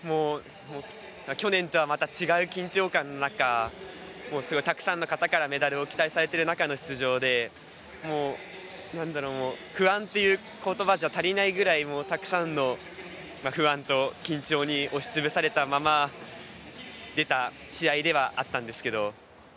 去年とはまた違う緊張感の中すごくたくさんの方からメダルを期待されている中での出場で不安という言葉じゃ足りないぐらいたくさんの不安と緊張に押し潰されたまま出た試合ではあったんですけど。